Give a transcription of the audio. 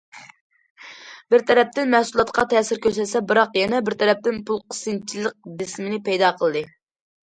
بىر تەرەپتىن مەھسۇلاتقا تەسىر كۆرسەتسە، بىراق يەنە بىر تەرەپتىن پۇل قىسىنچىلىق بېسىمىنى پەيدا قىلدى.